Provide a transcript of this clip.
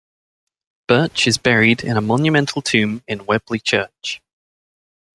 Birch is buried in a monumental tomb in Weobley Church.